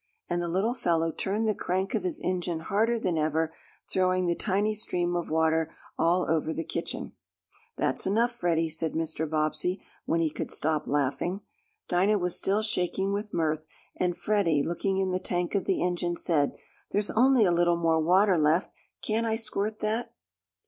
and the little fellow turned the crank of his engine harder than ever, throwing the tiny stream of water all over the kitchen. "That's enough, Freddie," said Mr. Bobbsey, when he could stop laughing. Dinah was still shaking with mirth, and Freddie, looking in the tank of the engine, said: "There's only a little more water left. Can't I squirt that?"